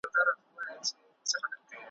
هم په دام کي وه دانه هم غټ ملخ وو ,